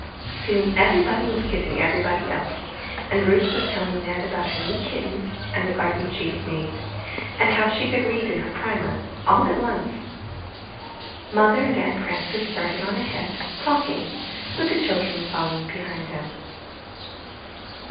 Soon everybody was kissing everybody else, and Ruth was telling Ned about her new kit tens, and the garden she had made, and how she could read in her primer, all at once. Mother and Aunt Fran ces started on ahead, talking, with the child ren following behind them.